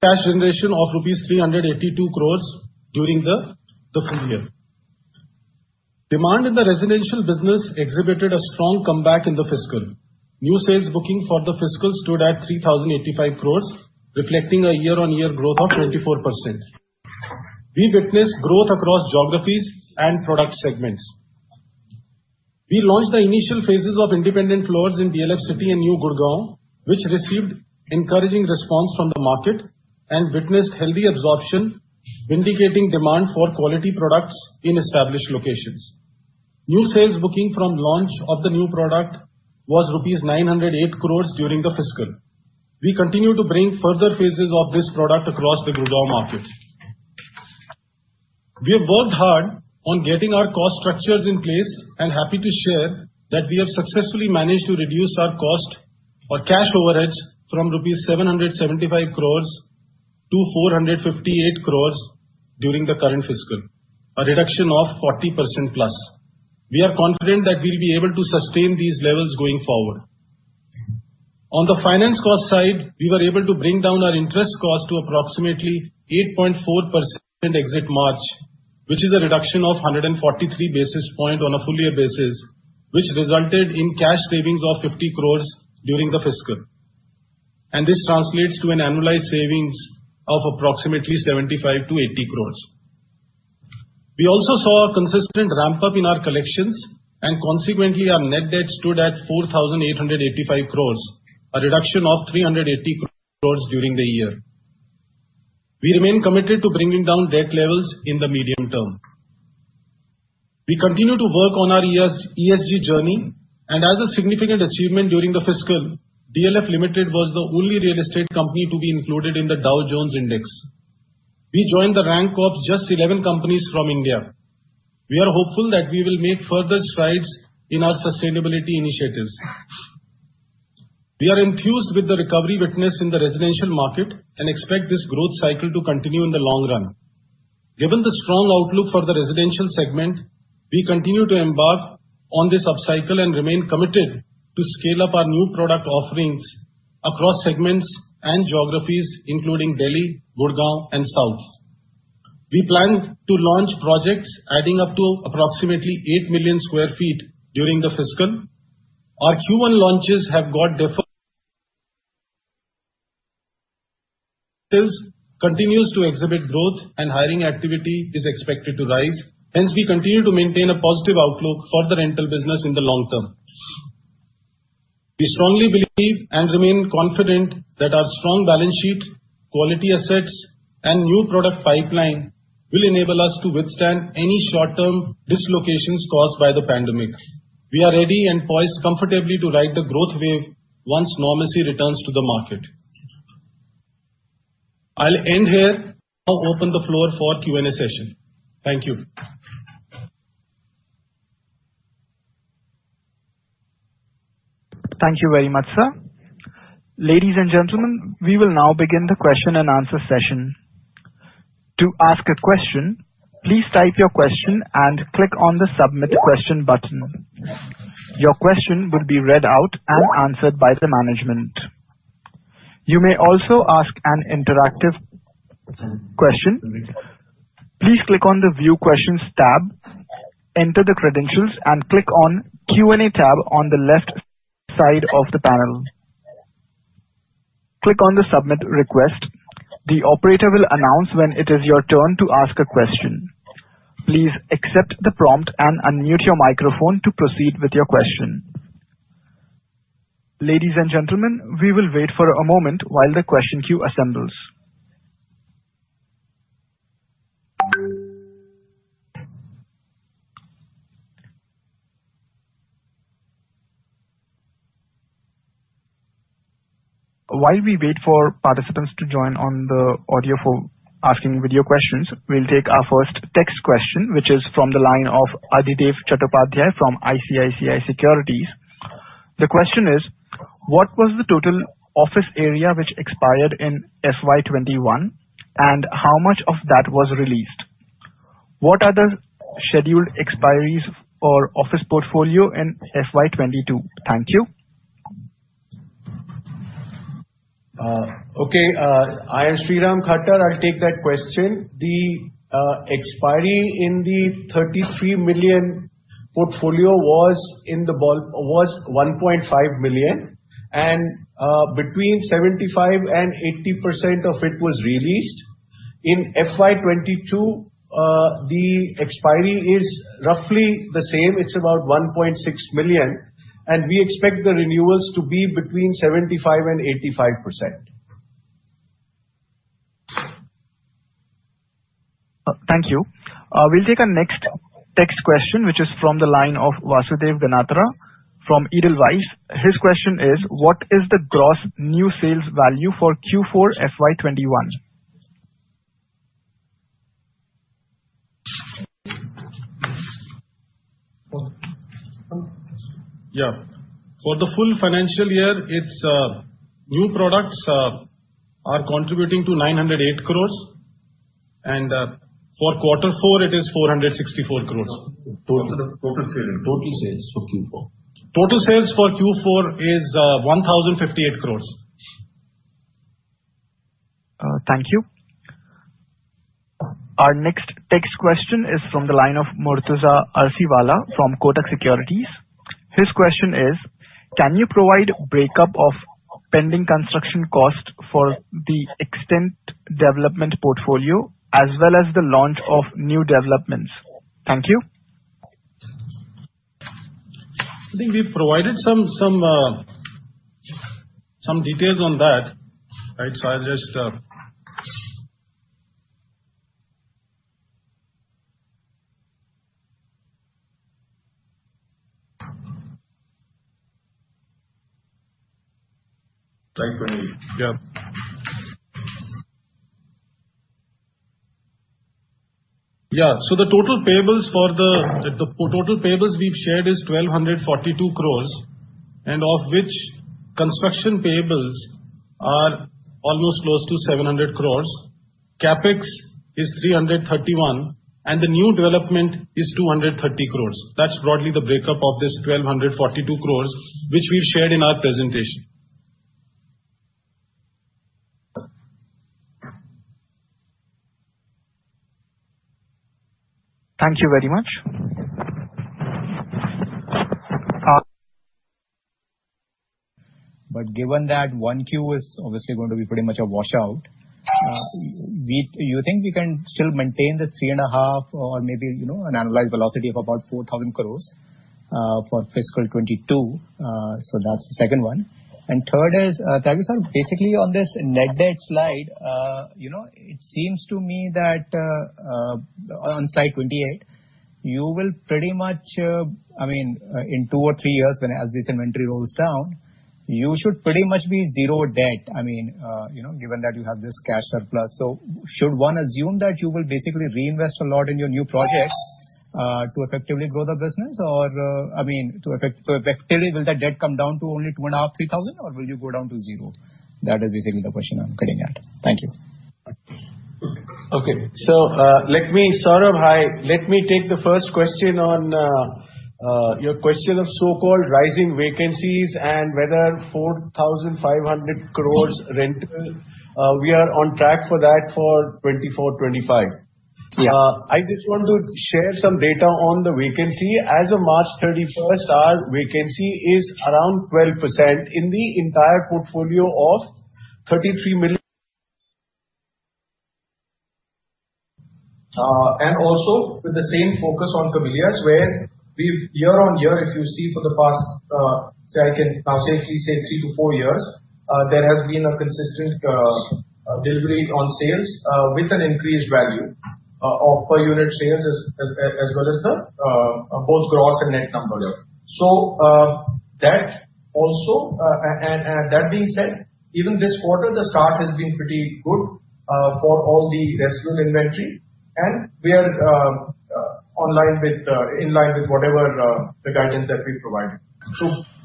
Cash generation of rupees 382 crores during the full year. Demand in the residential business exhibited a strong comeback in the fiscal. New sales booking for the fiscal stood at 3,085 crores, reflecting a year-on-year growth of 24%. We witnessed growth across geographies and product segments. We launched the initial phases of independent floors in DLF City in New Gurgaon, which received encouraging response from the market and witnessed healthy absorption, vindicating demand for quality products in established locations. New sales booking from launch of the new product was rupees 908 crores during the fiscal. We continue to bring further phases of this product across the Gurgaon market. We have worked hard on getting our cost structures in place and happy to share that we have successfully managed to reduce our cost or cash overheads from rupees 775 crores to 458 crores during the current fiscal. A reduction of 40%+. We are confident that we'll be able to sustain these levels going forward. On the finance cost side, we were able to bring down our interest cost to approximately 8.4% in exit March, which is a reduction of 143 basis points on a full year basis, which resulted in cash savings of 50 crores during the fiscal. This translates to an annualized savings of approximately 75-80 crores. We also saw a consistent ramp-up in our collections, and consequently our net debt stood at 4,885 crores, a reduction of 380 crores during the year. We remain committed to bringing down debt levels in the medium term. We continue to work on our ESG journey and as a significant achievement during the fiscal, DLF Limited was the only real estate company to be included in the Dow Jones index. We joined the rank of just 11 companies from India. We are hopeful that we will make further strides in our sustainability initiatives. We are enthused with the recovery witnessed in the residential market and expect this growth cycle to continue in the long run. Given the strong outlook for the residential segment, we continue to embark on this upcycle and remain committed to scale up our new product offerings across segments and geographies, including Delhi, Gurgaon, and South. We plan to launch projects adding up to approximately 8 million sq ft during the fiscal. Our home launches have got continues to exhibit growth and hiring activity is expected to rise. Hence, we continue to maintain a positive outlook for the rental business in the long term. We strongly believe and remain confident that our strong balance sheet, quality assets, and new product pipeline will enable us to withstand any short-term dislocations caused by the pandemic. We are ready and poised comfortably to ride the growth wave once normalcy returns to the market. I'll end here. Open the floor for Q&A session. Thank you. Thank you very much, sir. Ladies and gentlemen, we will now begin the question and answer session. To ask a question, please type your question and click on the Submit Question button. Your question will be read out and answered by the management. You may also ask an interactive question. Please click on the View Questions tab, enter the credentials and click on Q&A tab on the left side of the panel. Click on the Submit Request. The operator will announce when it is your turn to ask a question. Please accept the prompt and unmute your microphone to proceed with your question. Ladies and gentlemen, we will wait for a moment while the question queue assembles. While we wait for participants to join on the audio for asking video questions, we will take our first text question, which is from the line of Adhidev Chattopadhyay from ICICI Securities. The question is: What was the total office area which expired in FY 2021, and how much of that was released? What are the scheduled expiries for office portfolio in FY 2022? Thank you. Okay. I am Sriram Khattar. I'll take that question. The expiry in the 33 million portfolio was 1.5 million, and between 75%-80% of it was released. In FY 2022, the expiry is roughly the same. It's about 1.6 million, and we expect the renewals to be between 75%-85%. Thank you. We'll take our next text question, which is from the line of Venkatachalam Ramaswamy from Edelweiss. His question is: What is the gross new sales value for Q4 FY 2021? Yeah. For the full financial year, new products are contributing to 908 crores. For quarter four, it is 464 crores. Total sales for Q4. Total sales for Q4 is 1,058 crores. Thank you. Our next text question is from the line of Murtuza Arsiwala from Kotak Securities. His question is: Can you provide a breakup of pending construction costs for the extant development portfolio as well as the launch of new developments? Thank you. I think we provided some details on that. I'll just Slide 20. Yep. The total payables we've shared is 1,242 crores and of which construction payables are almost close to 700 crores. CapEx is 331 crores and the new development is 230 crores. That's broadly the breakup of this 1,242 crores, which we shared in our presentation. Thank you very much. Given that 1Q is obviously going to be pretty much a washout, you think we can still maintain the 3.5 or maybe an annualized velocity of about 4,000 crore for FY 2022. That's the second one. Third is, Tyagi sir, basically on this net debt slide, it seems to me that on slide 28, you will pretty much, in two or three years, when as this inventory goes down, you should pretty much be zero debt. Given that you have this cash surplus. Should one assume that you will basically reinvest a lot in your new projects to effectively grow the business? Effectively will the debt come down to only 2,500, 3,000, or will you go down to zero? That is basically the question I'm getting at. Thank you. Okay. Saurabh, let me take the first question on your question of so-called rising vacancies and whether 4,500 crore rental, we are on track for that for 2024, 2025. I just want to share some data on the vacancy. As of March 31st, our vacancy is around 12% in the entire portfolio of 33 million sq ft. Also with the same focus on Camellias, where year-on-year, if you see for the past, say, I can safely say three to four years, there has been a consistent delivery on sales with an increased value of per unit sales as well as both gross and net turnover. That also, that being said, even this quarter, the start has been pretty good for all the rest of the inventory, and we are in line with whatever the guidance that we provide.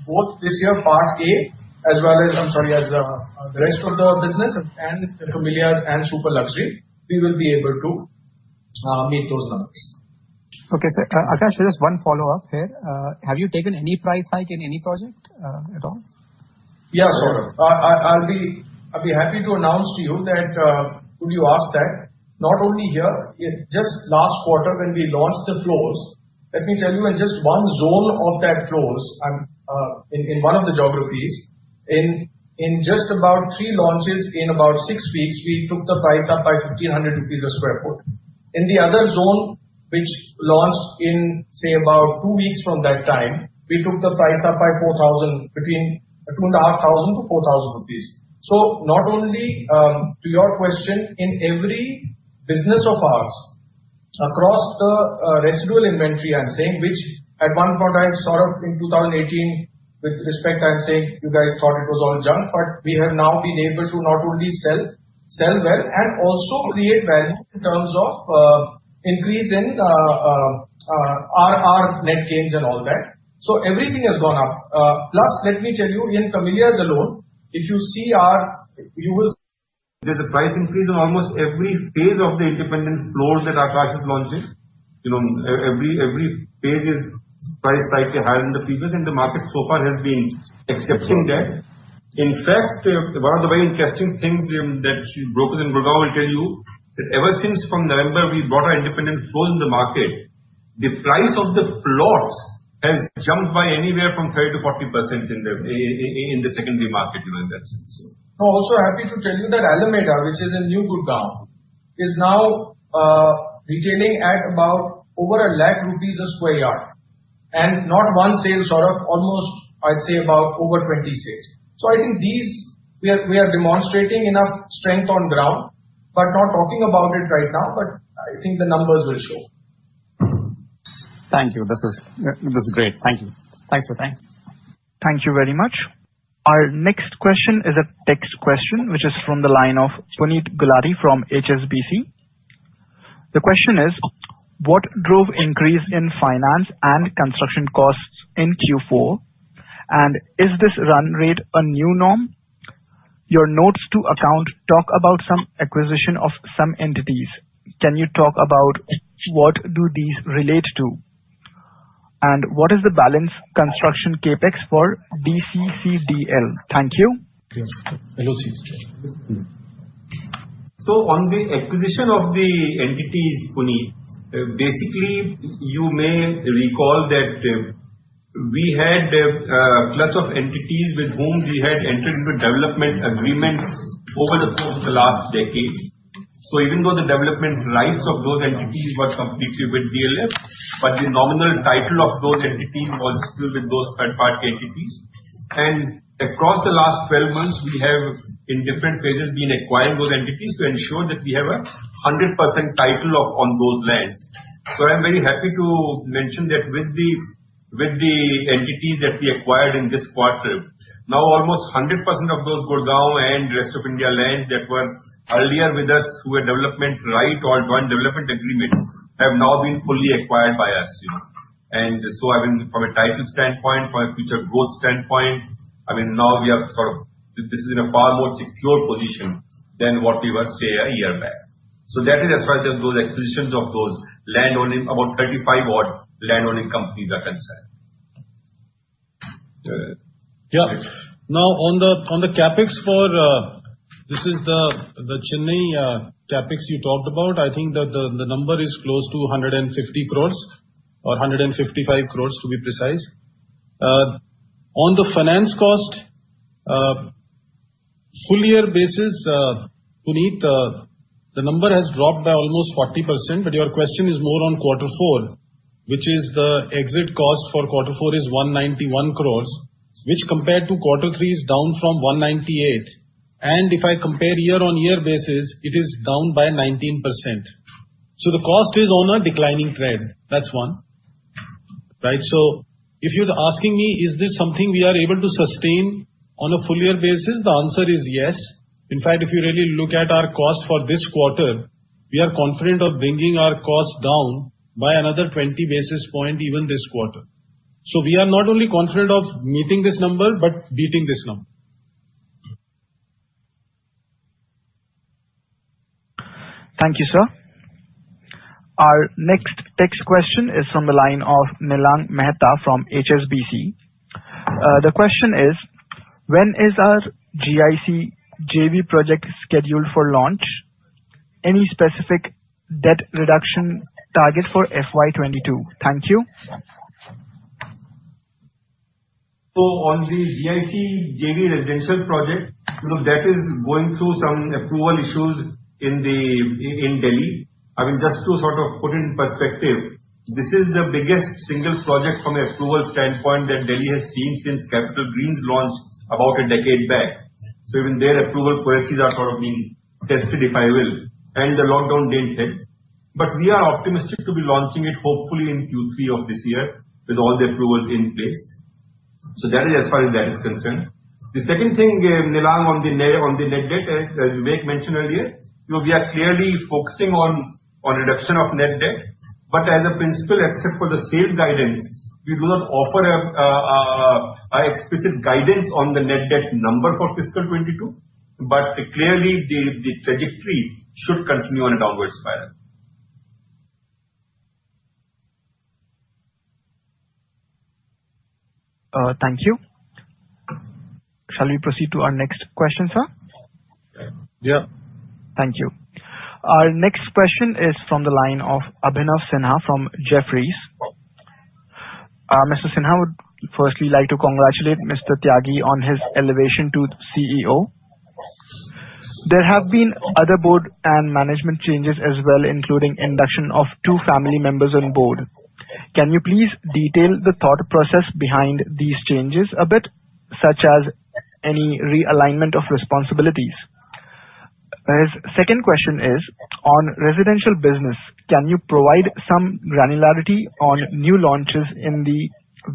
Both this year, Part A, as well as the rest of the business and The Camellias and super luxury, we will be able to meet those numbers. Okay, sir. Aakash, just one follow-up here. Have you taken any price hike in any project at all? Yeah, Saurabh. I will be happy to announce to you that, glad you ask that, not only here, just last quarter, when we launched the floors. Let me tell you, in just one zone of that floors, in one of the geographies, in just about three launches in about six weeks, we took the price up by 1,500 rupees a square foot. In the other zone, which launched in, say, about two weeks from that time, we took the price up by 4,000 rupees, between 2,500-4,000 rupees. Not only to your question, in every business of ours, across the residual inventory, I'm saying, which at one point, Saurabh, in 2018, with respect, I'm saying you guys thought it was all junk, but we have now been able to not only sell well and also create value in terms of increase in IRR net gains and all that. Everything has gone up. Plus, let me tell you, in The Camellias alone, if you see our the price increase in almost every phase of the independent floors that Aakash has launched, every phase is price hike a higher than the previous, and the market so far has been accepting that. One of the very interesting things that brokers in Gurgaon will tell you, that ever since from November, we brought our independent floor in the market, the price of the plots has jumped by anywhere from 30%-40% in the secondary market in that sense. I'm also happy to tell you that Alameda, which is in New Gurgaon, is now retailing at about over 1 lakh rupees a square yard, and not one sale, Saurabh, almost I'd say about over 20 sales. I think we are demonstrating enough strength on ground, but not talking about it right now, but I think the numbers will show. Thank you. This is great. Thank you. Thanks, Saurabh. Thank you very much. Our next question is a text question, which is from the line of Puneet Gulati from HSBC. The question is: What drove increase in finance and construction costs in Q4? And is this run rate a new norm? Your notes to account talk about some acquisition of some entities. Can you talk about what do these relate to? What is the balance construction CapEx for DCCDL? Thank you. Yes. I think she's just with me. On the acquisition of the entities, Puneet, basically, you may recall that we had a clutch of entities with whom we had entered into development agreements over the course of the last decade. Even though the development rights of those entities were completely with DLF, but the nominal title of those entities was still with those third-party entities. Across the last 12 months, we have, in different phases, been acquiring those entities to ensure that we have a 100% title on those lands. I'm very happy to mention that with the entities that we acquired in this quarter, now almost 100% of those Gurgaon and rest of India land that were earlier with us through a development right or joint development agreement, have now been fully acquired by us. From a title standpoint, from a future growth standpoint, now this is in a far more secure position than what we were, say, a year back. That is as far as those acquisitions of those land owning, about 35-odd land owning companies are concerned. Yeah. On the CapEx, this is the Chennai CapEx you talked about. I think that the number is close to 150 crores or 155 crores, to be precise. On the finance cost full year basis, Puneet, the number has dropped by almost 40%, but your question is more on Q4, which is the exit cost for Q4 is 191 crores, which compared to Q3 is down from 198 crores. If I compare year-on-year basis, it is down by 19%. The cost is on a declining trend. That's one. If you're asking me, is this something we are able to sustain on a full year basis, the answer is yes. In fact, if you really look at our cost for this quarter, we are confident of bringing our cost down by another 20 basis points even this quarter. We are not only confident of meeting this number, but beating this number. Thank you, sir. Our next text question is from the line of Milan Mehta from HSBC. The question is: When is our GIC JV project scheduled for launch? Any specific debt reduction target for FY 2022? Thank you. On the GIC JV residential project, look, that is going through some approval issues in Delhi. I mean, just to sort of put it in perspective, this is the biggest single project from an approval standpoint that Delhi has seen since Capital Greens launched about a decade back. Even their approval policies are sort of being tested, if I will. The lockdown didn't help. We are optimistic to be launching it hopefully in Q3 of this year with all the approvals in place. That is as far as that is concerned. The second thing, Milan, on the net debt, as we mentioned earlier, look, we are clearly focusing on reduction of net debt. As a principle, except for the safe guidance, we do not offer an explicit guidance on the net debt number for fiscal 2022. Clearly, the trajectory should continue on a downward spiral. Thank you. Shall we proceed to our next question, sir? Yeah. Thank you. Our next question is from the line of Abhinav Sinha from Jefferies. Mr. Sinha would firstly like to congratulate Mr. Tyagi on his elevation to CEO. There have been other board and management changes as well, including induction of two family members on board. Can you please detail the thought process behind these changes a bit, such as any realignment of responsibilities? His second question is on residential business. Can you provide some granularity on new launches in the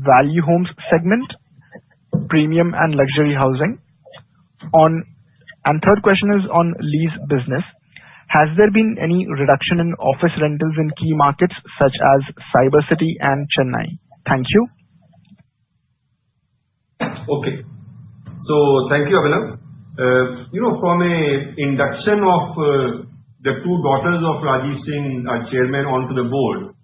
value homes segment, premium and luxury housing? Third question is on lease business. Has there been any reduction in office rentals in key markets such as Cybercity and Chennai? Thank you. Okay. Thank you, Abhinav Sinha. From an induction of the two daughters of Rajiv Singh, our Chairman, onto the board.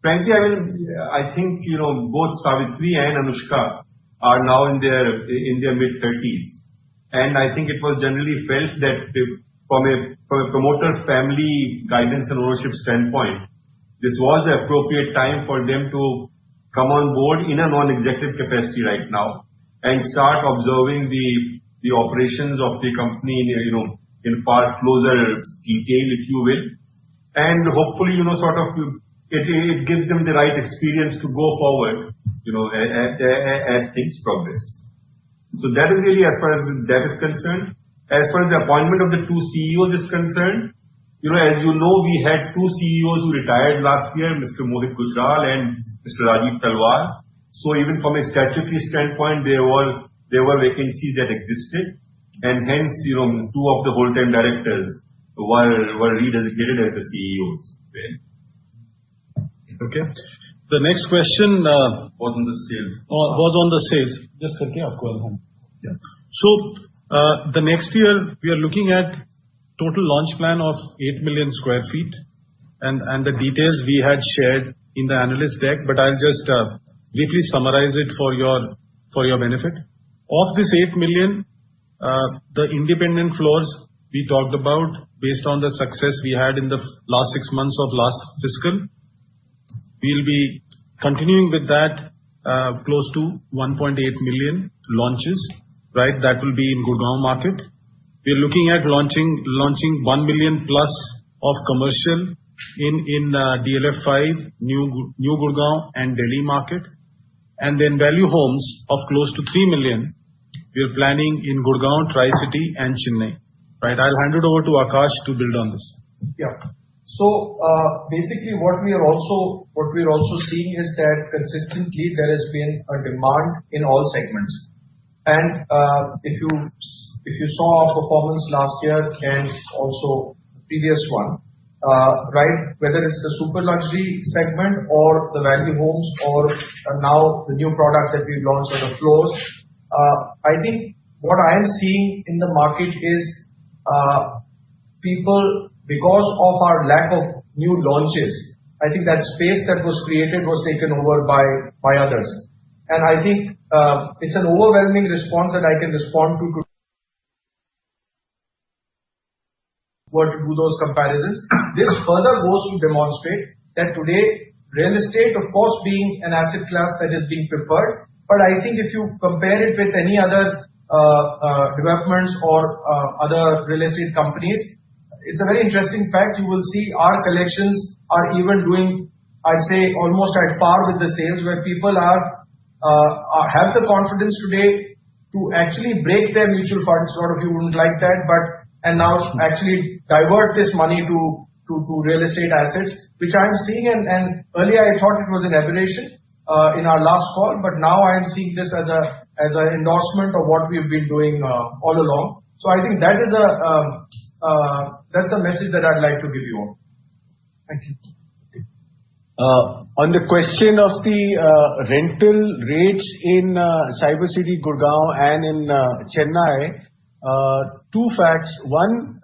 Frankly, I think both Savitri and Anushka are now in their mid-30s. I think it was generally felt that from a promoter family guidance and ownership standpoint, this was the appropriate time for them to come on board in a non-executive capacity right now and start observing the operations of the company in far closer detail, if you will, and hopefully it gives them the right experience to go forward as things progress. That is really as far as that is concerned. As far as the appointment of the two CEOs is concerned, as you know, we had two CEOs who retired last year, Mr. Mohit Gujral and Mr. Rajeev Talwar. Even from a strategic standpoint, there were vacancies that existed, and hence two of the whole-time directors were re-designated as the CEOs then. Okay. Was on the sale. was on the sales. Yes, okay. Go ahead. Yeah. The next year, we are looking at total launch plan of 8 million sq ft, and the details we had shared in the analyst deck, but I'll just briefly summarize it for your benefit. Of this 8 million, the independent floors we talked about based on the success we had in the last six months of last fiscal, we'll be continuing with that, close to 1.8 million launches. That will be in Gurgaon market. We are looking at launching 1 million-plus of commercial in DLF 5, New Gurgaon, and Delhi market. Value homes of close to 3 million, we are planning in Gurgaon, Tri-city, and Chennai. I'll hand it over to Aakash to build on this. Yeah. Basically, what we are also seeing is that consistently, there has been a demand in all segments. If you saw our performance last year and also the previous one, whether it's the super luxury segment or the value homes or now the new product that we launched on the floor, I think what I'm seeing in the market is, people, because of our lack of new launches, I think that space that was created was taken over by others. I think, it's an overwhelming response that I can respond to, were to do those comparisons. This further goes to demonstrate that today, real estate, of course, being an asset class that is being preferred, but I think if you compare it with any other developments or other real estate companies, it's a very interesting fact. You will see our collections are even doing, I'd say, almost at par with the sales, where people have the confidence today to actually break their mutual funds. A lot of you wouldn't like that, but now actually divert this money to real estate assets, which I'm seeing, and earlier I thought it was an aberration in our last call, but now I'm seeing this as an endorsement of what we've been doing all along. I think that's a message that I'd like to give you all. Thank you. On the question of the rental rates in Cybercity, Gurgaon, and in Chennai, two facts: one,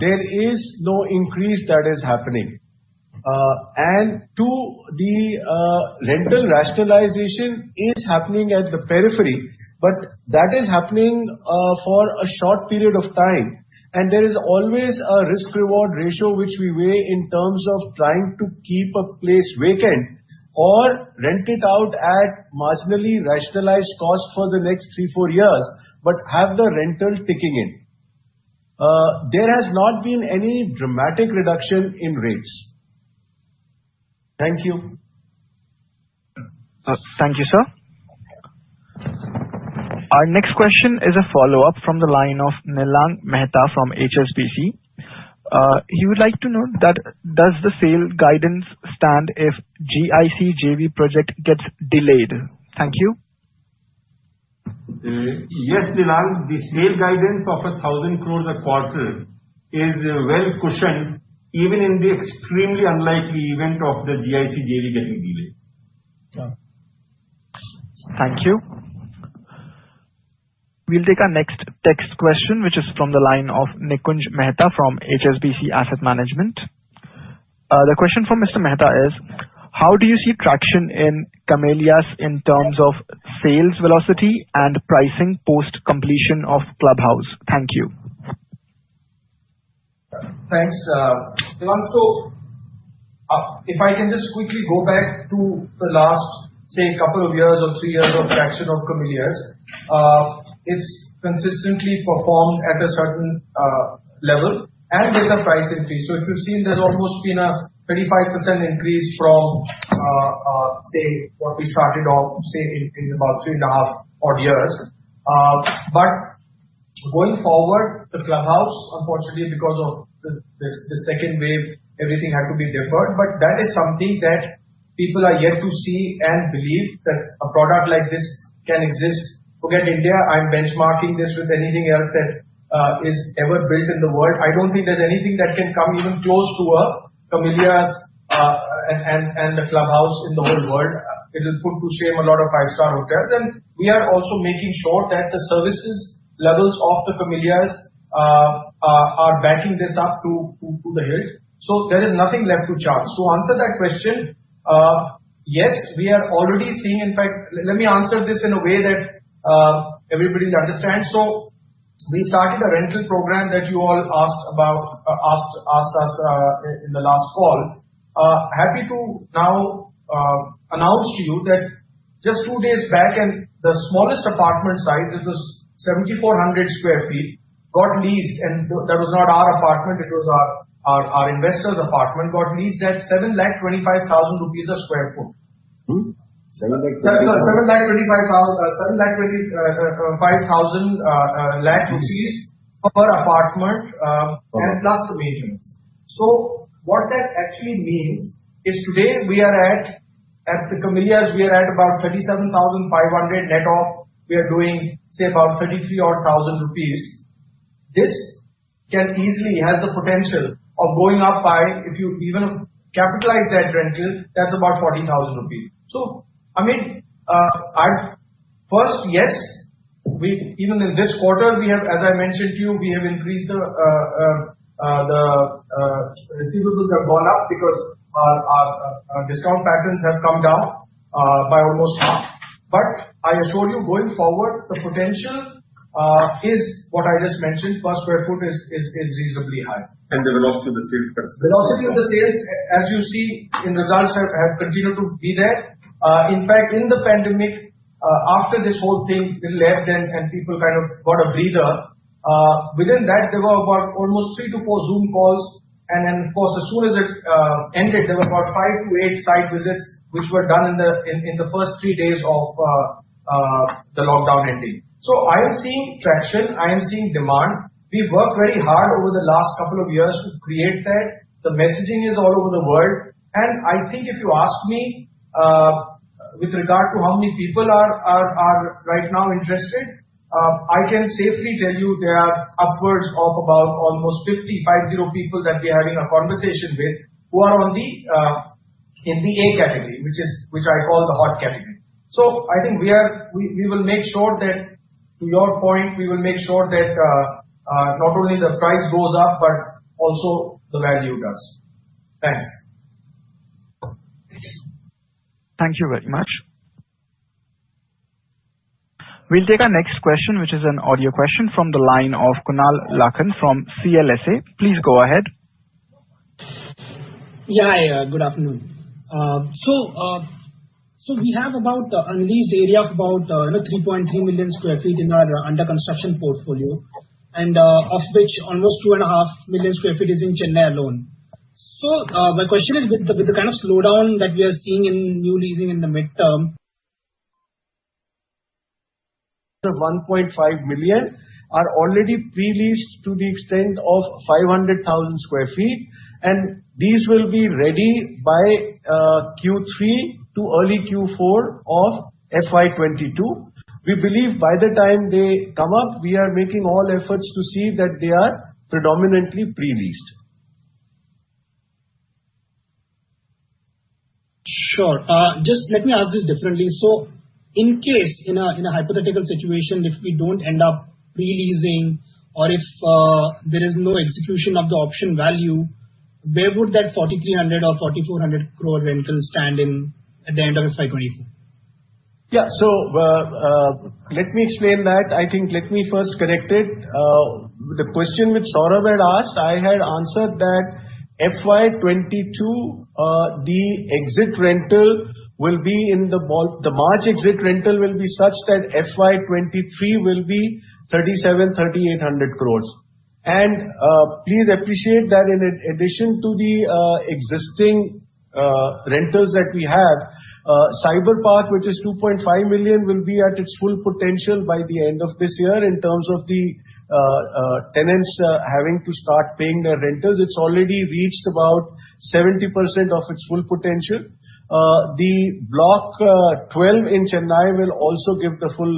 there is no increase that is happening. Two, the rental rationalization is happening at the periphery, but that is happening for a short period of time. There is always a risk-reward ratio which we weigh in terms of trying to keep a place vacant or rent it out at marginally rationalized cost for the next three, four years, but have the rental ticking in. There has not been any dramatic reduction in rates. Thank you. Thank you, sir. Our next question is a follow-up from the line of Milan Mehta from HSBC. He would like to know, does the sale guidance stand if GIC JV project gets delayed? Thank you. Yes, Milan, the sale guidance of 1,000 crores a quarter is well cushioned, even in the extremely unlikely event of the GIC JV getting delayed. Yeah. Thank you. We'll take our next text question, which is from the line of Nikunj Mehta from HSBC Asset Management. The question from Mr. Mehta is, how do you see traction in The Camellias in terms of sales velocity and pricing post-completion of Clubhouse? Thank you. Thanks. If I can just quickly go back to the last, say, couple of years or three years of traction of Camellias. It's consistently performed at a certain level and with a price increase. If you've seen, there's almost been a 25% increase from what we started off, say, in about 3.5 odd years. Going forward, the clubhouse, unfortunately, because of the second wave, everything had to be deferred. That is something that people are yet to see and believe that a product like this can exist within India. I'm benchmarking this with anything else that is ever built in the world. I don't think there's anything that can come even close to a Camellias and the clubhouse in the whole world. It'll put to shame a lot of five-star hotels, and we are also making sure that the services levels of The Camellias are backing this up to the hilt. There is nothing left to chance. To answer that question, yes, we are already seeing, in fact, let me answer this in a way that everybody understands. We started a rental program that you all asked us in the last call. Happy to now announce to you that just two days back, and the smallest apartment size, it was 7,400 sq ft, got leased, and that was not our apartment, it was our investor's apartment, got leased at 725,000 rupees a sq ft. 725,000. Sorry, 7,250 crore rupees per apartment and plus the maintenance. What that actually means is today we are at The Camellias, we are at about 37,500 net off. We are doing say about 33 odd thousand. This easily has the potential of going up by, if you even capitalize that rental, that's about 40,000 rupees. First, yes, even in this quarter, as I mentioned to you, the receivables have gone up because our discount patterns have come down by almost half. I assure you, going forward, the potential is what I just mentioned, per square foot is reasonably high. The velocity of the sales- Velocity of the sales, as you see in results, have continued to be there. The pandemic, after this whole thing left and people kind of got a breather, within that, there were about almost three to four Zoom calls. Of course, as soon as it ended, there were about five to eight site visits, which were done in the first three days of the lockdown ending. I am seeing traction. I am seeing demand. We've worked very hard over the last couple of years to create that. The messaging is all over the world. I think if you ask me with regard to how many people are right now interested, I can safely tell you there are upwards of about almost 50 people that we are in a conversation with who are in the A category, which I call the hot category. I think we will make sure that, to your point, we will make sure that not only the price goes up, but also the value does. Thanks. Thank you very much. We'll take our next question, which is an audio question from the line of Kunal Lakhan from CLSA. Please go ahead. Yeah. Hi, good afternoon. We have about an unleased area of about 3.3 million sq ft in our under construction portfolio, and of which almost 2.5 million sq ft is in Chennai alone. My question is, with the kind of slowdown that we are seeing in new leasing in the midterm- The 1.5 million are already pre-leased to the extent of 500,000 sq ft. These will be ready by Q3 to early Q4 of FY 2022. We believe by the time they come up, we are making all efforts to see that they are predominantly pre-leased. Sure. Just let me ask this differently. In case, in a hypothetical situation, if we don't end up pre-leasing or if there is no execution of the option value, where would that 4,300 crore or 4,400 crore rental stand at the end of FY 2024? Let me explain that. I think let me first correct it. The question which Saurabh had asked, I had answered that FY 2022, the March exit rental will be such that FY 2023 will be 37,000 crore, 3,800 crore. Please appreciate that in addition to the existing rentals that we have, Cyberpark, which is 2.5 million sq ft, will be at its full potential by the end of this year in terms of the tenants having to start paying their rentals. It's already reached about 70% of its full potential. The Block 12 in Chennai will also give the full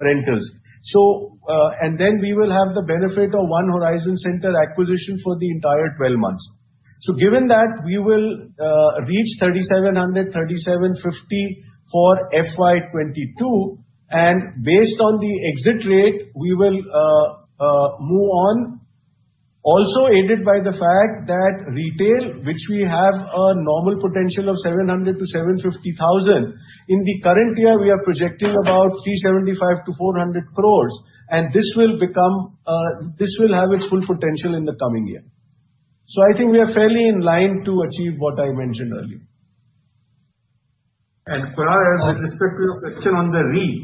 rentals. Then we will have the benefit of One Horizon Center acquisition for the entire 12 months. Given that, we will reach 3,700-3,750 for FY 2022. Based on the exit rate, we will move on also aided by the fact that retail, which we have a normal potential of 700,000 to 750,000. In the current year, we are projecting about 375-400 crores. This will have its full potential in the coming year. I think we are fairly in line to achieve what I mentioned earlier. Kunal, with respect to your question on the REIT,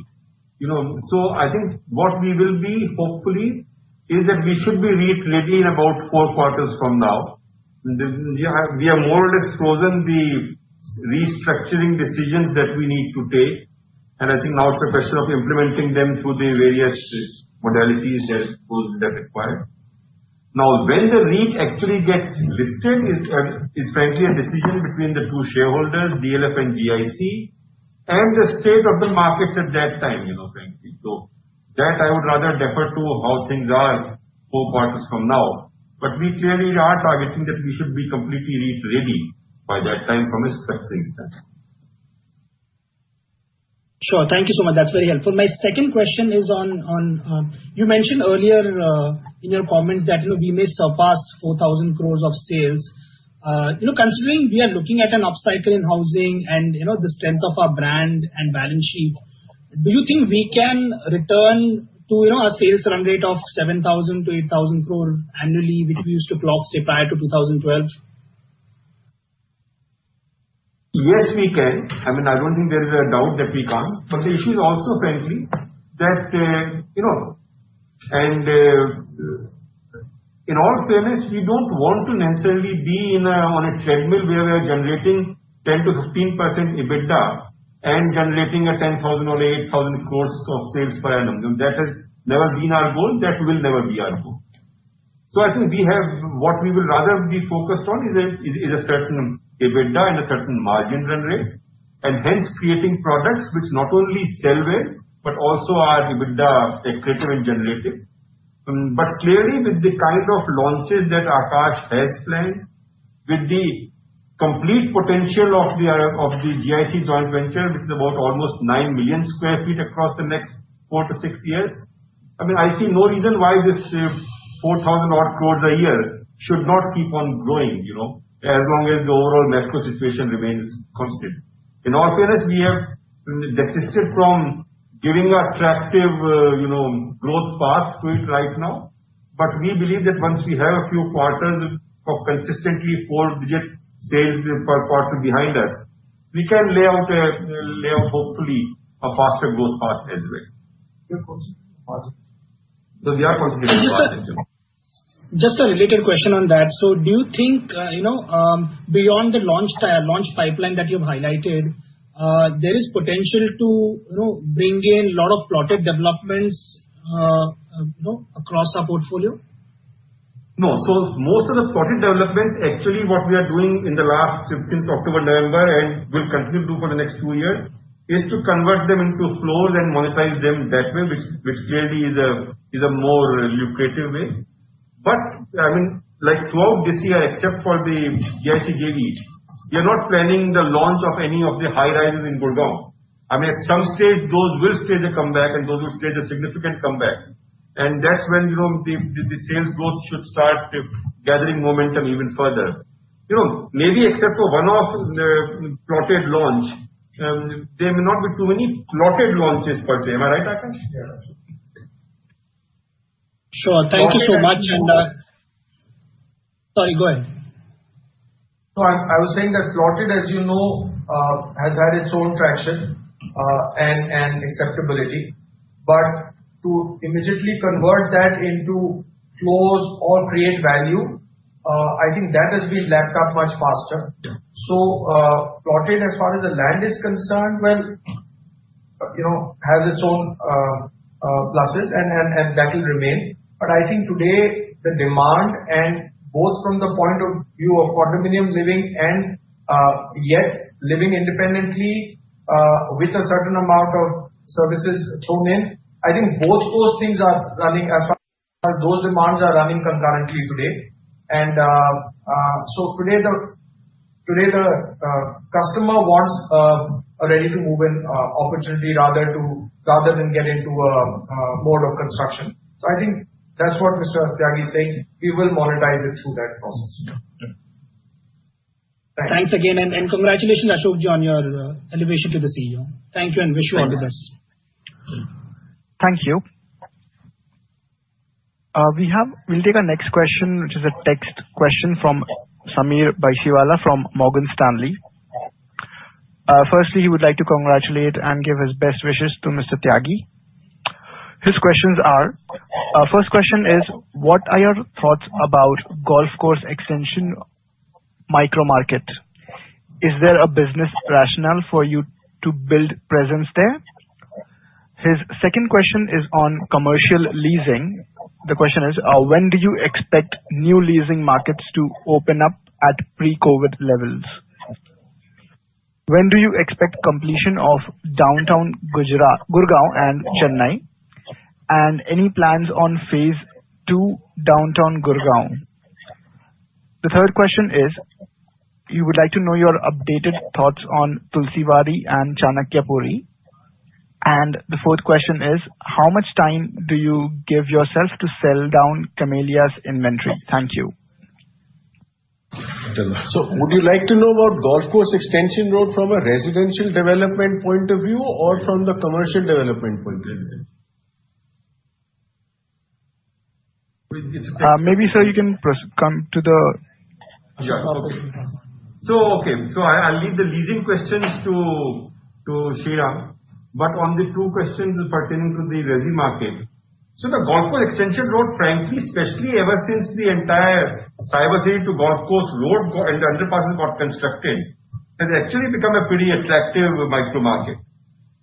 I think what we will be, hopefully, is that we should be REIT ready in about four quarters from now. We have more or less frozen the restructuring decisions that we need to take, and I think now it's a question of implementing them through the various modalities that are required. When the REIT actually gets listed is frankly a decision between the two shareholders, DLF and GIC, and the state of the markets at that time, frankly. That I would rather defer to how things are four quarters from now, but we clearly are targeting that we should be completely REIT ready by that time from a structuring standpoint. Sure. Thank you so much. That's very helpful. My second question is on, you mentioned earlier in your comments that we may surpass 4,000 crores of sales. Considering we are looking at an upcycle in housing and the strength of our brand and balance sheet, do you think we can return to our sales run rate of 7,000 crore-8,000 crore annually, which we used to clock, say, prior to 2012? Yes, we can. I don't think there is a doubt that we can't. The issue is also frankly that in all fairness, we don't want to necessarily be on a treadmill where we're generating 10%-15% EBITDA and generating 10,000 crore or 8,000 crore of sales per annum. That has never been our goal. That will never be our goal. I think what we will rather be focused on is a certain EBITDA and a certain margin run rate, and hence creating products which not only sell well but also are EBITDA accretive in generating. Clearly with the kind of launches that Aakash Ohri has planned, with the complete potential of the GIC joint venture, which is about almost 9 million sq ft across the next four to six years, I see no reason why this 4,000 odd crore a year should not keep on growing, as long as the overall macro situation remains constant. In all fairness, we have desisted from giving an attractive growth path to it right now. We believe that once we have a few quarters of consistently four-digit sales per quarter behind us, we can lay out hopefully a faster growth path anyway. Yeah, of course. We are confident. Just a related question on that. Do you think, beyond the launch pipeline that you've highlighted, there is potential to bring in a lot of plotted developments across our portfolio? No. Most of the plotted developments, actually what we are doing in the last since October, November, and will continue for the next two years, is to convert them into floors and monetize them that way, which clearly is a more lucrative way. Throughout this year, except for the GIC JVs, we are not planning the launch of any of the high rises in Gurgaon. At some stage, those will see a comeback and those will see a significant comeback. That's when the sales growth should start gathering momentum even further. Except for one-off plotted launch, there may not be too many plotted launches per se. Am I right, Aakash? Sure. Thank you so much. Sorry, go ahead. I was saying that plotted, as you know, has had its own traction, and acceptability. To immediately convert that into floors or create value, I think that has been lapped up much faster. Plotted as far as the land is concerned, well, has its own pluses, and that will remain. I think today, the demand and both from the point of view of condominium living and yet living independently, with a certain amount of services thrown in, I think both those things are running as those demands are running concurrently today. Today the customer wants a ready-to-move-in opportunity rather than get into a mode of construction. I think that's what Mr. Tyagi is saying. We will monetize it through that process. Thanks again, and congratulations, Ashok, on your elevation to the CEO. Thank you, and wish you all the best. Thank you. Thank you. We'll take our next question, which is a text question from Sameer Baisiwala from Morgan Stanley. Firstly, he would like to congratulate and give his best wishes to Mr. Tyagi. His questions are, first question is: What are your thoughts about golf course extension micro-market? Is there a business rationale for you to build presence there? His second question is on commercial leasing. The question is: When do you expect new leasing markets to open up at pre-COVID levels? When do you expect completion of Downtown Gurgaon and Chennai? Any plans on phase II Downtown Gurgaon? The third question is, he would like to know your updated thoughts on Tulsi Wadi and Chanakyapuri. The fourth question is: How much time do you give yourself to sell down Camellia's inventory? Thank you. Would you like to know about Golf Course Extension Road from a residential development point of view or from the commercial development point of view? Maybe, sir, you can come to. Sure. Okay. I'll leave the leasing questions to Sriram Khattar, but on the two questions pertaining to the resi market. The Golf Course Extension Road, frankly, especially ever since the entire Cybercity to Golf Course Road underpass got constructed, has actually become a pretty attractive micro-market.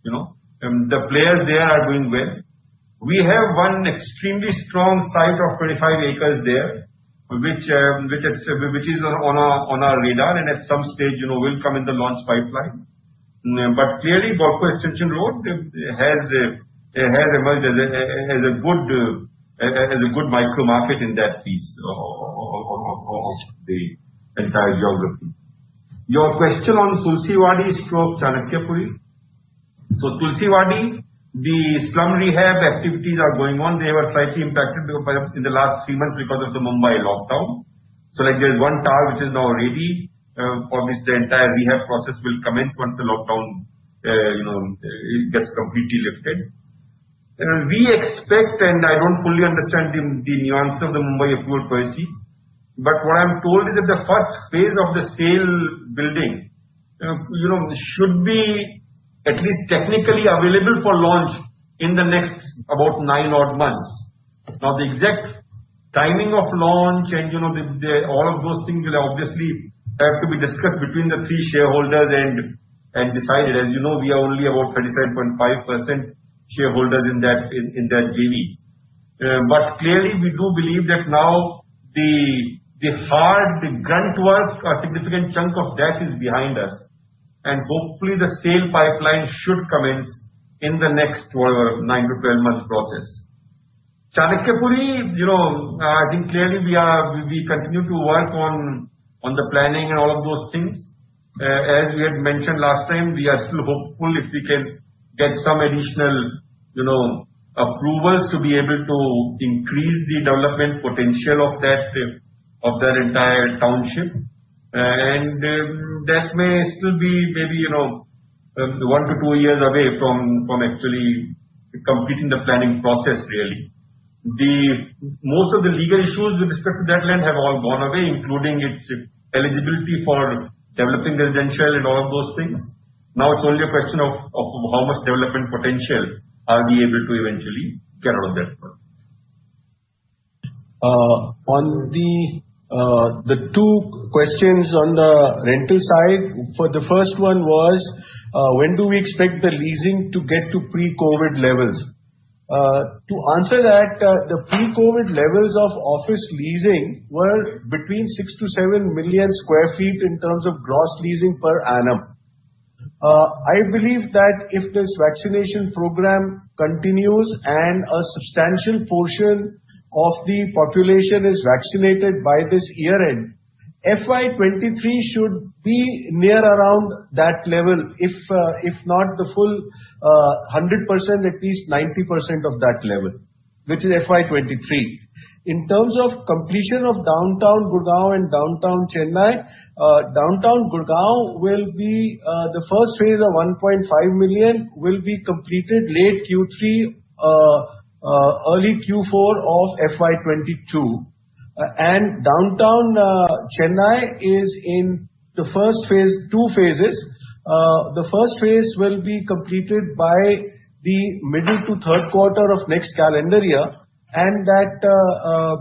The players there are doing well. We have one extremely strong site of 25 acres there, which is on our radar and at some stage will come in the launch pipeline. Clearly, Golf Course Extension Road has a good micro-market in that piece of the entire geography. Your question on Tulsiwadi or Chanakyapuri. Tulsiwadi, the slum rehab activities are going on. They were slightly impacted in the last three months because of the Mumbai lockdown. There's one tower which is now ready. Obviously, the entire rehab process will commence once the lockdown gets completely lifted. We expect, and I don't fully understand the nuances of the Mumbai approval policy, but what I'm told is that the first phase of the sale building should be at least technically available for launch in the next about nine odd months. The exact timing of launch and all of those things will obviously have to be discussed between the three shareholders and decided. As you know, we have only about 27.5%. shareholders in that RE. Clearly, we do believe that now the hard grunt work, a significant chunk of that is behind us, and hopefully the sale pipeline should commence in the next 9 to 12-month process. Chanakyapuri, I think clearly we continue to work on the planning and all those things. As we had mentioned last time, we are still hopeful if we can get some additional approvals to be able to increase the development potential of that entire township. That may still be maybe one to two years away from actually completing the planning process really. Most of the legal issues with respect to that land have all gone away, including its eligibility for developing residential and all those things. Now it's only a question of how much development potential are we able to eventually get out of that one. On the two questions on the rental side. The first one was, when do we expect the leasing to get to pre-COVID levels? To answer that, the pre-COVID levels of office leasing were between 6 to 7 million square feet in terms of gross leasing per annum. I believe that if this vaccination program continues and a substantial portion of the population is vaccinated by this year-end, FY 2023 should be near around that level. If not the full 100%, at least 90% of that level, which is FY 2023. In terms of completion of Downtown Gurgaon and Downtown Chennai, Downtown Gurgaon, the first phase of 1.5 million will be completed late Q3, early Q4 of FY 2022. Downtown Chennai is in two phases. The first phase will be completed by the middle to third quarter of next calendar year. The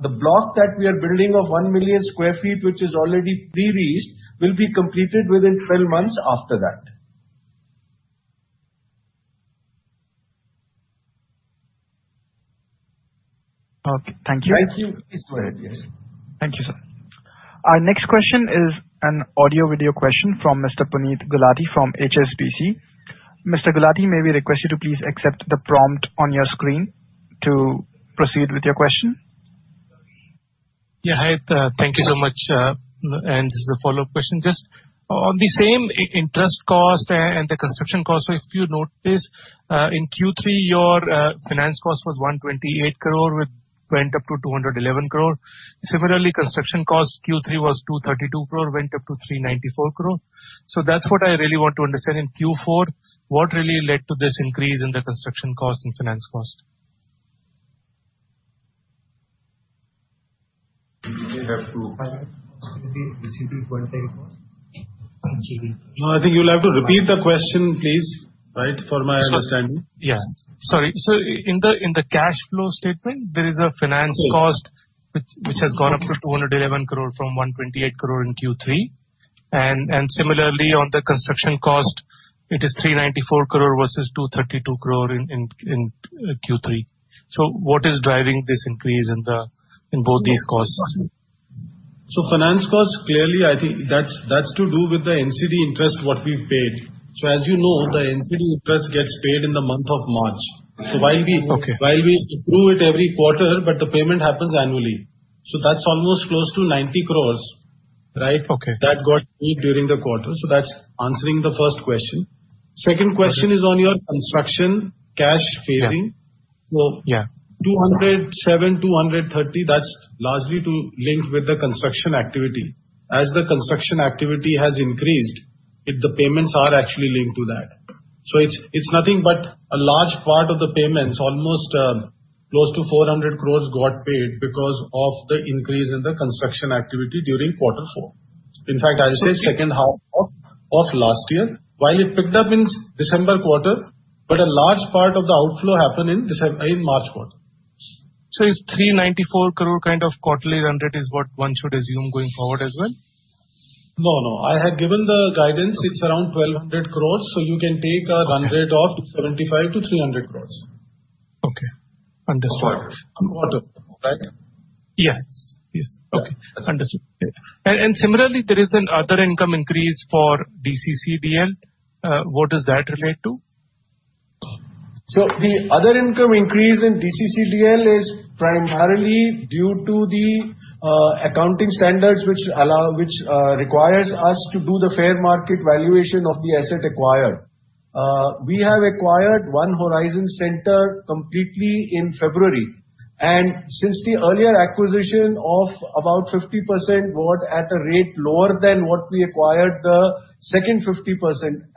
block that we are building of 1 million sq ft, which is already pre-leased, will be completed within 12 months after that. Okay. Thank you. 18 square, yes. Thank you, sir. Our next question is an audio-video question from Mr. Puneet Gulati from HSBC. Mr. Gulati, may I request you to please accept the prompt on your screen to proceed with your question? Yeah, hi. Thank you so much. This is a follow-up question. Just on the same interest cost and the construction cost, if you notice, in Q3, your finance cost was 128 crore, which went up to 211 crore. Similarly, construction cost Q3 was 232 crore, went up to 394 crore. That's what I really want to understand in Q4, what really led to this increase in the construction cost and finance cost? No, I think you'll have to repeat the question, please. Right, for my understanding. Yeah. Sorry. In the cash flow statement, there is a finance cost which has gone up to 211 crore from 128 crore in Q3. Similarly, on the construction cost, it is 394 crore versus 232 crore in Q3. What is driving this increase in both these costs? Finance cost, clearly, I think that's to do with the NCD interest what we paid. As you know, the NCD interest gets paid in the month of March. Okay. While we accrue it every quarter, but the payment happens annually. That's almost close to 90 crore. Right. Okay. that got paid during the quarter. That's answering the first question. Second question is on your construction CapEx. Yeah. 207, 230, that's largely to link with the construction activity. As the construction activity has increased, the payments are actually linked to that. It's nothing but a large part of the payments, almost close to 400 crores got paid because of the increase in the construction activity during quarter four. In fact, I'll say second half of last year. While it picked up in December quarter, but a large part of the outflow happened in March quarter. It's 394 crore kind of quarterly run rate is what one should assume going forward as well? No, I have given the guidance, it's around 1,200 crores, so you can take 100 crores or 25 crores-300 crores. Okay. Understood. Per quarter, right? Yes. Okay. Understood. Similarly, there is other income increase for DCCDL. What does that relate to? The other income increase in DCCDL is primarily due to the accounting standards which requires us to do the fair market valuation of the asset acquired. We have acquired One Horizon Center completely in February, and since the earlier acquisition of about 50% got at a rate lower than what we acquired the second 50%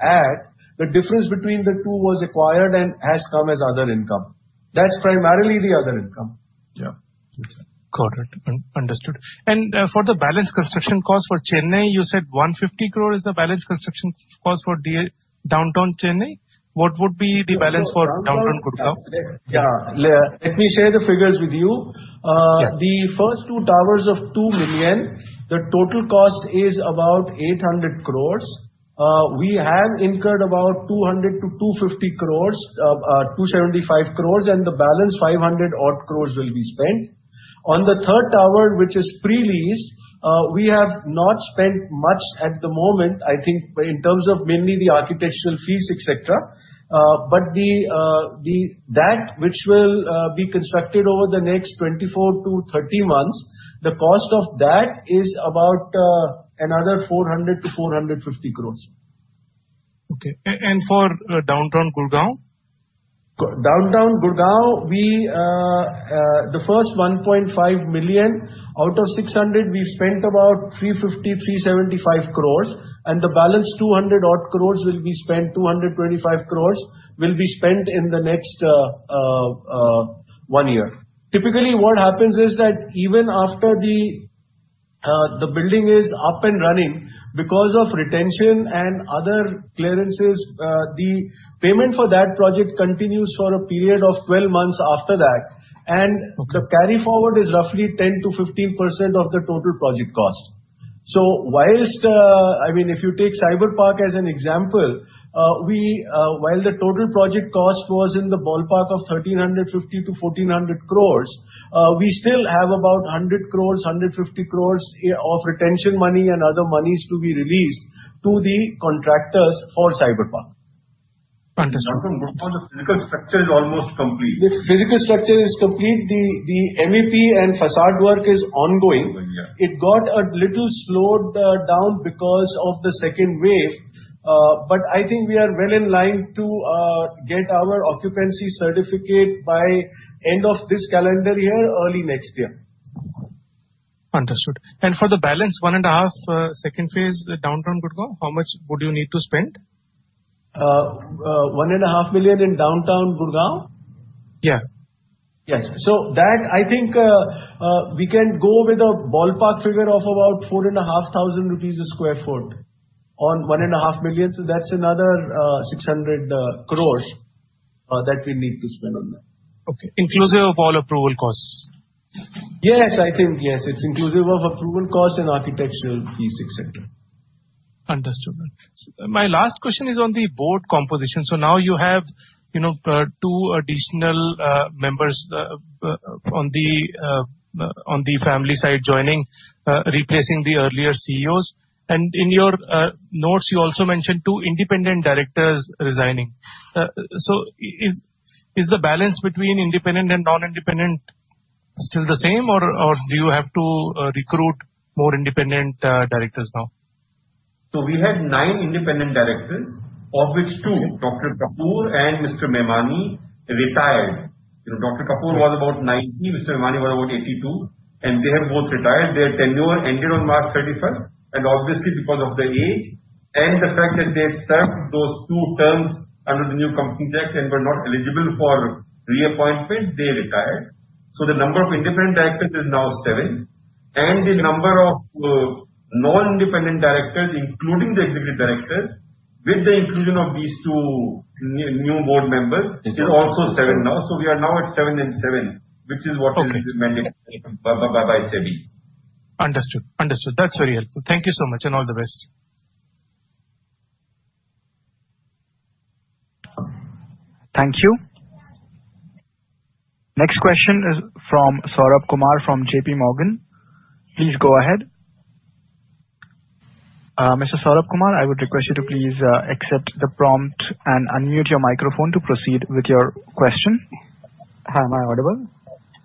at, the difference between the two was acquired and has come as other income. That's primarily the other income. Yeah. Got it. Understood. For the balance construction cost for Chennai, you said 150 crore is the balance construction cost for DLF Downtown Chennai. What would be the balance for DLF Downtown Gurgaon? Yeah. Let me share the figures with you. Yeah. The first two towers of 2 million, the total cost is about 800 crores. We have incurred about 200-250 crores, 275 crores, and the balance 500 odd crores will be spent. On the third tower, which is pre-leased, we have not spent much at the moment, I think, in terms of mainly the architectural fees, et cetera. That which will be constructed over the next 24-30 months, the cost of that is about another 400-450 crores. Okay. For Downtown Gurgaon? Downtown Gurgaon, the first 1.5 million, out of 600, we spent about 350 crore, 375 crore. The balance 200 odd crore will be spent, 225 crore will be spent in the next one year. Typically, what happens is that even after the building is up and running, because of retention and other clearances, the payment for that project continues for a period of 12 months after that, and the carry forward is roughly 10%-15% of the total project cost. If you take Cyberpark as an example, while the total project cost was in the ballpark of 1,350 crore-1,400 crore, we still have about 100 crore, 150 crore of retention money and other monies to be released to the contractors for Cyberpark. Understood. For the physical structure is almost complete. The physical structure is complete. The MEP and facade work is ongoing. Okay. It got a little slowed down because of the second wave. I think we are well in line to get our occupancy certificate by end of this calendar year, early next year. Okay. Understood. For the balance 1.5 second phase at Downtown Gurgaon, how much would you need to spend? 1.5 million in Downtown Gurgaon? Yeah. Yes. That, I think, we can go with a ballpark figure of about 4,500 a sq ft on 1.5 million. That's another 600 crore that we need to spend on that. Okay. Inclusive of all approval costs? Yes. I think, yes, it's inclusive of approval cost and architectural fees, et cetera. Understood. My last question is on the board composition. Now you have two additional members on the family side joining, replacing the earlier CEOs. In your notes, you also mentioned two independent directors resigning. Is the balance between independent and non-independent still the same, or do you have to recruit more independent directors now? We had nine independent directors, of which two, Dharam Vir Kapur and Mr. Memani, retired. Dharam Vir Kapur was about 90, Mr. Memani was about 82, they have both retired. Their tenure ended on March 31st. Obviously because of their age and the fact that they had served those two terms under the new Companies Act and were not eligible for reappointment, they retired. The number of independent directors is now seven, and the number of non-independent directors, including the executive director, with the inclusion of these two new board members, is also seven now. We are now at seven and seven, which is what is recommended by SEBI. Understood. That's very helpful. Thank you so much, and all the best. Thank you. Next question is from Saurabh Kumar from JPMorgan. Please go ahead. Mr. Saurabh Kumar, I would request you to please accept the prompt and unmute your microphone to proceed with your question. Am I audible?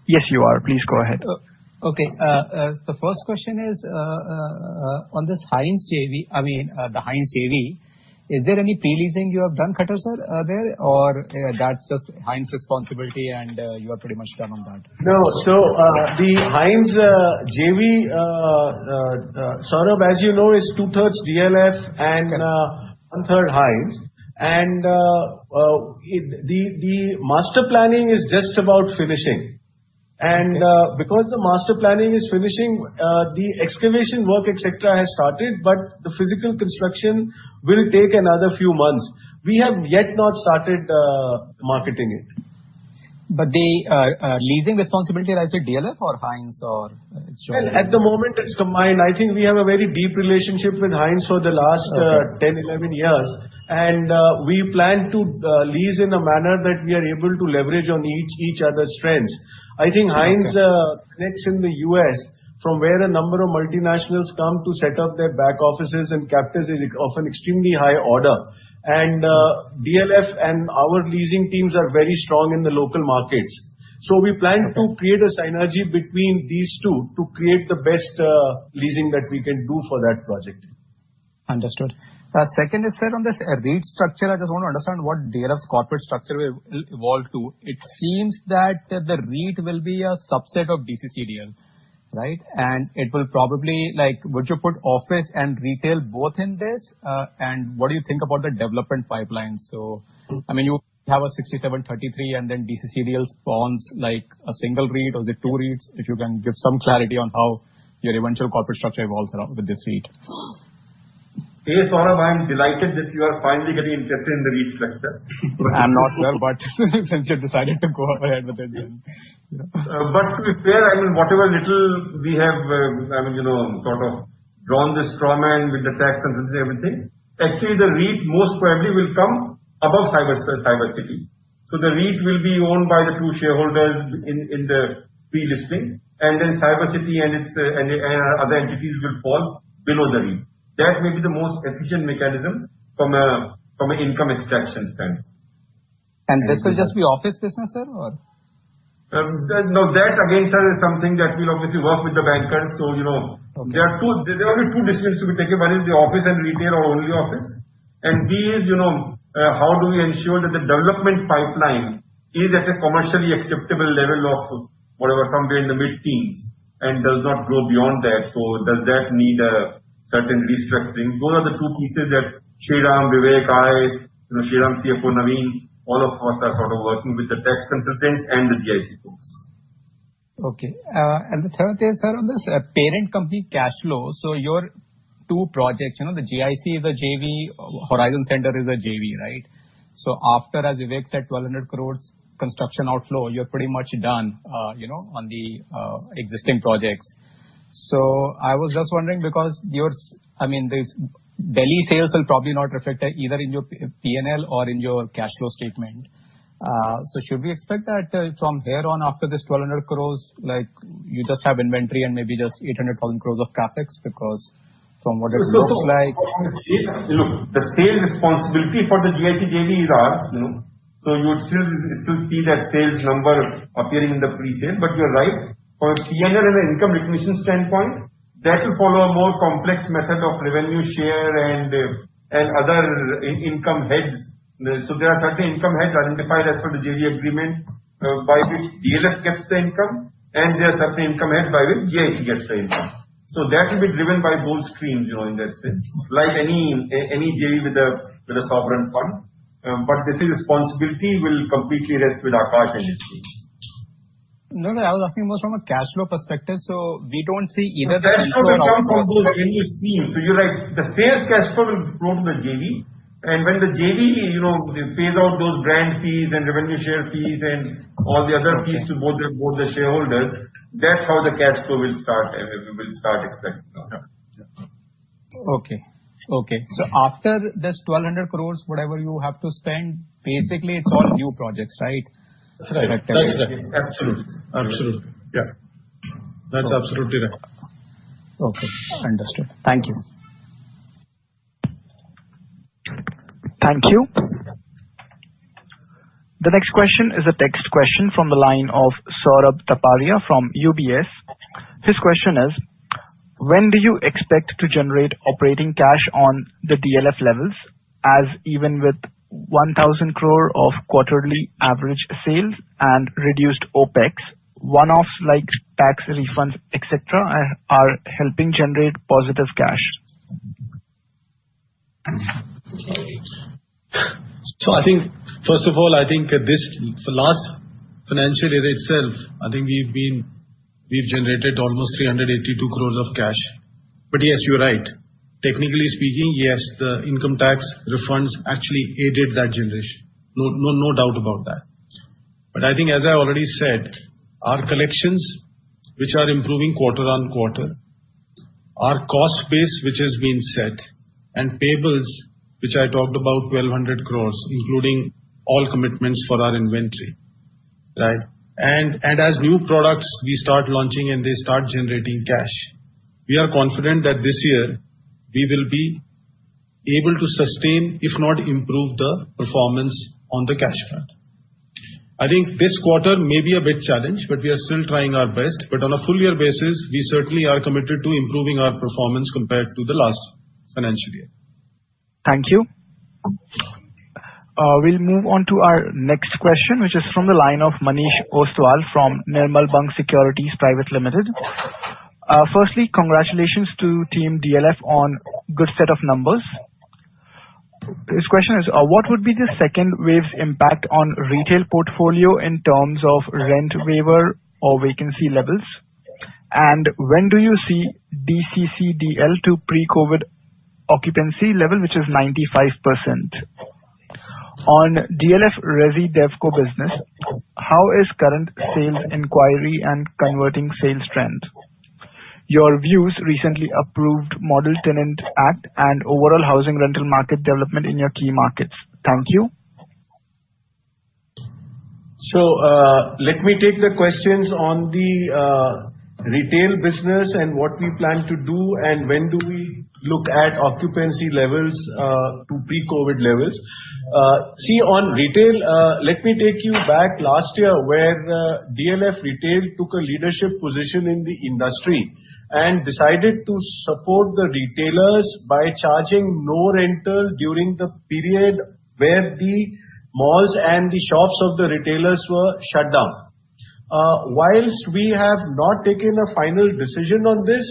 Yes, you are. Please go ahead. Okay. The first question is on the Hines JV. Is there any pre-leasing you have done, Khattar Sir, there? Or that's just Hines' responsibility, and you are pretty much done on that? No. The Hines JV, Saurabh, as you know, is two-thirds DLF and one-third Hines. The master planning is just about finishing. Because the master planning is finishing, the excavation work, et cetera, has started, but the physical construction will take another few months. We have yet not started marketing it. The leasing responsibility lies with DLF or Hines, or it's joint? At the moment, it's combined. I think we have a very deep relationship with Hines for the last 10, 11 years, and we plan to lease in a manner that we are able to leverage on each other's strengths. I think Hines connects in the U.S. from where a number of multinationals come to set up their back offices and captives of an extremely high order. DLF and our leasing teams are very strong in the local markets. We plan to create a synergy between these two to create the best leasing that we can do for that project. Understood. Second, instead of this REIT structure, I just want to understand what DLF's corporate structure will evolve to. It seems that the REIT will be a subset of DCCDL, right? It will probably, would you put office and retail both in this? What do you think about the development pipeline? You have a 67/33, and then DCCDL spawns like a single REIT or is it two REITs? If you can give some clarity on how your eventual corporate structure evolves now with this REIT. Hey, Saurabh, I'm delighted that you are finally getting interested in the REIT sector. I'm not, sir, but since you decided to go ahead with it. To be fair, whatever little we have sort of drawn this straw man with the tax and everything, actually, the REIT most probably will come above Cybercity. The REIT will be owned by the two shareholders in the previous way, and then Cyber City and other entities will fall below the REIT. That may be the most efficient mechanism from an income extraction standpoint. Is it just the office business then? No. That again, Sir, is something that we'll obviously work with the bankers. There are two businesses to be taken. One is the office and retail or only office. B is, how do we ensure that the development pipeline is at a commercially acceptable level of whatever, somewhere in the mid-teens and does not go beyond that? Does that need a certain restructuring? Those are the two pieces that Sriram, Vivek, I, our CFO, Naveen, all of us are working with the tax consultants and the GIC folks. Okay. The third thing, sir, on this parent company cash flow. Your two projects, the GIC is a JV, Horizon Center is a JV, right? After, as Vivek said, 1,200 crore construction outflow, you're pretty much done on the existing projects. I was just wondering because Delhi sales will probably not reflect either in your P&L or in your cash flow statement. Should we expect that from there on after this 1,200 crore, you just have inventory and maybe just 800 crore-1,000 crore of CapEx? From what it looks like. Look, the sale responsibility for the GIC JV is ours. You'll still see that sales number appearing in the pre-sale. You're right. From a P&L and an income recognition standpoint, that will follow a more complex method of revenue share and other income heads. There are certain income heads identified as per the JV agreement by which DLF gets the income, and there are certain income heads by which GIC gets the income. That will be driven by both streams in that sense. Like any JV with a sovereign fund. The sale responsibility will completely rest with DLF and its team. No, I was asking more from a cash flow perspective. We don't see either the income. The cash flow will come from those same streams. You're right, the sale cash flow will flow from the JV. When the JV pays out those brand fees and revenue share fees and all the other fees to both the shareholders, that's how the cash flow will start, and we will start expecting that. Okay. After this 1,200 crore, whatever you have to spend, basically it's all new projects, right? Exactly. Absolutely. Yeah. That's absolutely right. Okay, understood. Thank you. Thank you. The next question is a text question from the line of Saurabh Taparia from UBS. His question is: When do you expect to generate operating cash on the DLF levels? Even with 1,000 crore of quarterly average sales and reduced OPEX, one-off like tax refunds, et cetera, are helping generate positive cash. First of all, I think the last financial year itself, I think we've generated almost 382 crore of cash. Yes, you're right. Technically speaking, yes, the income tax refunds actually aided that generation. No doubt about that. I think as I already said, our collections, which are improving quarter-on-quarter, our cost base, which has been set, and payables, which I talked about 1,200 crore, including all commitments for our inventory. As new products we start launching and they start generating cash, we are confident that this year we will be able to sustain, if not improve the performance on the cash front. I think this quarter may be a bit challenged, but we are still trying our best. On a full year basis, we certainly are committed to improving our performance compared to the last financial year. Thank you. We'll move on to our next question, which is from the line of Manish Ostwal from Nirmal Bang Securities Private Limited. Congratulations to Team DLF on good set of numbers. This question is, what would be the second wave impact on retail portfolio in terms of rent waiver or vacancy levels? When do you see DCCDL to pre-COVID occupancy level, which is 95%? On DLF Resi-Devco business, how is current sales inquiry and converting sales trends? Your views recently approved Model Tenancy Act and overall housing rental market development in your key markets? Thank you. Let me take the questions on the retail business and what we plan to do and when do we look at occupancy levels to pre-COVID levels. On retail, let me take you back last year where DLF Retail took a leadership position in the industry and decided to support the retailers by charging no rental during the period where the malls and the shops of the retailers were shut down. Whilst we have not taken a final decision on this,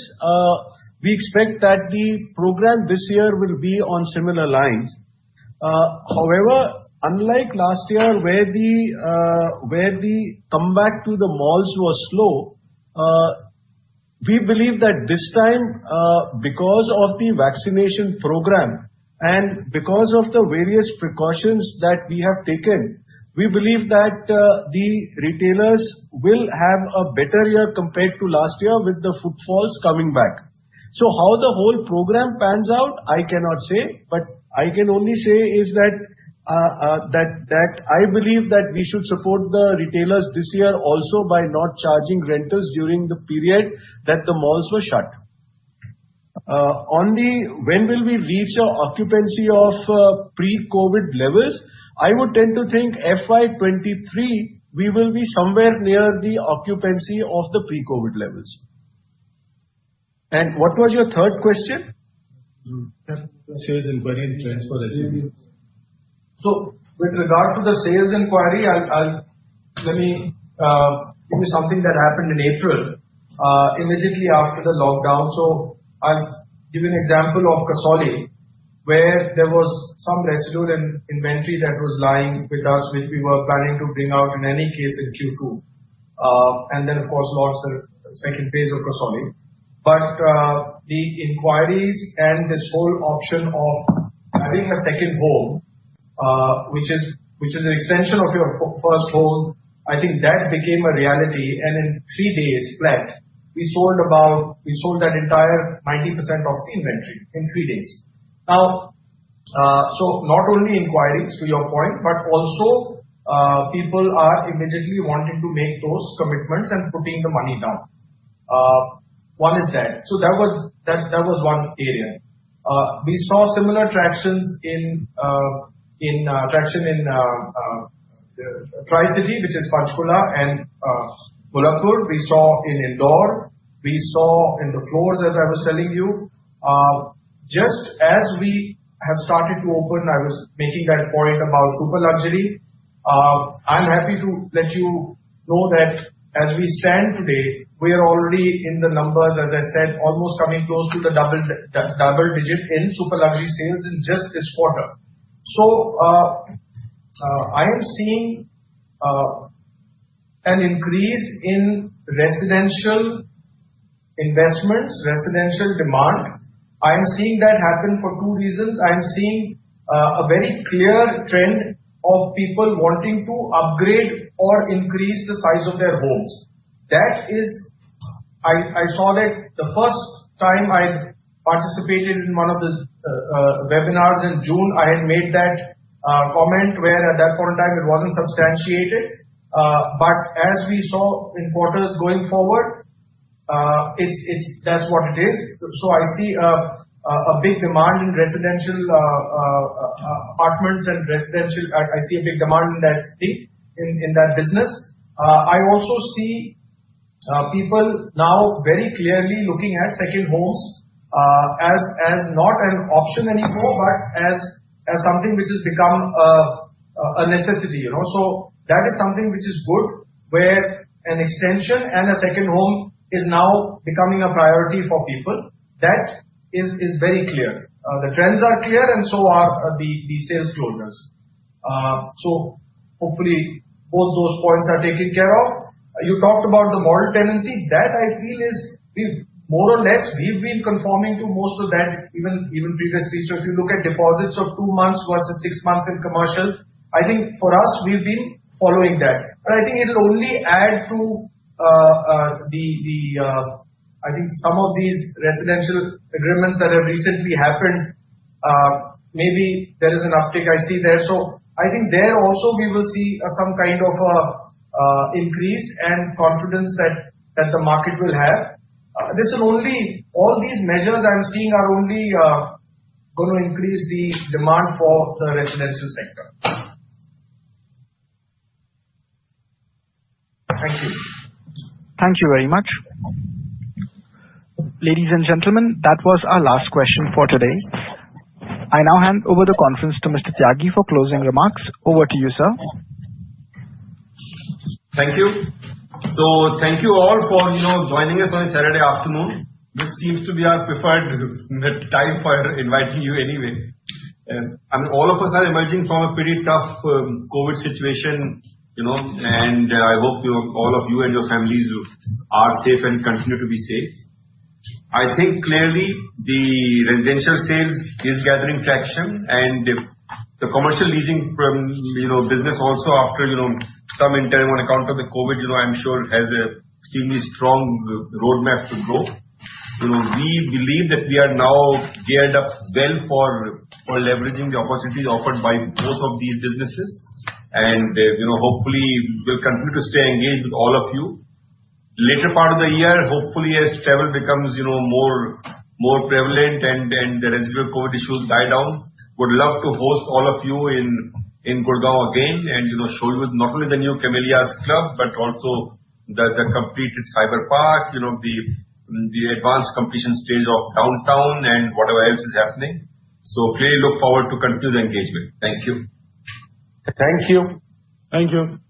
we expect that the program this year will be on similar lines. However, unlike last year, where the comeback to the malls was slow, we believe that this time, because of the vaccination program and because of the various precautions that we have taken, we believe that the retailers will have a better year compared to last year with the footfalls coming back. How the whole program pans out, I cannot say, but I can only say is that I believe that we should support the retailers this year also by not charging renters during the period that the malls were shut. On the, when will we reach our occupancy of pre-COVID levels? I would tend to think FY 2023, we will be somewhere near the occupancy of the pre-COVID levels. What was your third question? Sales inquiry. With regard to the sales inquiry, let me tell you something that happened in April, immediately after the lockdown. I'll give you an example of Kasauli, where there was some lesser-known inventory that was lying with us, which we were planning to bring out in any case in Q2. Then, of course, launched the second phase of Kasauli. The inquiries and this whole option of having a second home, which is an extension of your first home, I think that became a reality, and in three days flat, we sold that entire 90% of inventory in three days. Not only inquiries, to your point, but also people are immediately wanting to make those commitments and putting the money down. One is that. That was one area. We saw similar traction in Tri-city, which is Panchkula and Gurugram. We saw in Indore, we saw in the floors, as I was telling you. Just as we have started to open, I was making that point about super luxury. I'm happy to let you know that as we stand today, we are already in the numbers, as I said, almost coming close to the double digit in super luxury sales in just this quarter. I'm seeing an increase in residential investments, residential demand. I'm seeing that happen for two reasons. I'm seeing a very clear trend of people wanting to upgrade or increase the size of their homes. The first time I participated in one of the webinars in June, I had made that comment where at that point in time it wasn't substantiated. As we saw in quarters going forward, that's what it is. I see a big demand in residential apartments and I see a big demand in that business. I also see people now very clearly looking at second homes, as not an option anymore, but as something which has become a necessity. That is something which is good, where an extension and a second home is now becoming a priority for people. That is very clear. The trends are clear, and so are the sales closures. Hopefully, both those points are taken care of. You talked about the Model Tenancy. That I feel is, more or less, we've been conforming to most of that, even previously. If you look at deposits of two months versus six months in commercial, I think for us, we've been following that. I think it'll only add to some of these residential agreements that have recently happened. Maybe there is an uptick I see there. I think there also we will see some kind of increase and confidence that the market will have. All these measures I'm seeing are only going to increase the demand for the residential sector. Thank you. Thank you very much. Ladies and gentlemen, that was our last question for today. I now hand over the conference to Mr. Tyagi for closing remarks. Over to you, sir. Thank you all for joining us on a Saturday afternoon. This seems to be our preferred time for inviting you anyway. All of us are emerging from a pretty tough COVID situation, and I hope all of you and your families are safe and continue to be safe. I think clearly the residential sales is gathering traction, and the commercial leasing business also after some time on account of the COVID, I'm sure has a extremely strong roadmap to grow. We believe that we are now geared up well for leveraging the opportunity offered by both of these businesses, and hopefully we'll continue to stay engaged with all of you. Later part of the year, hopefully, as travel becomes more prevalent and the residential COVID issues die down, would love to host all of you in Gurgaon again, and show you not only the new Camellias Club, but also the completed Cyberpark, the advanced completion stage of Downtown and whatever else is happening. Clearly look forward to continued engagement. Thank you. Thank you. Thank you.